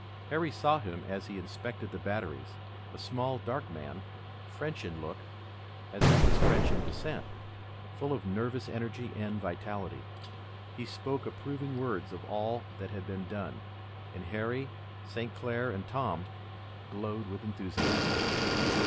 Harry saw him as he inspected the batteries, a small, dark man, French in look, as he was French in descent, full of nervous energy and vitality. He spoke approving words of all that had been done, and Harry, St. Clair and Tom, glowed with enthusiasm.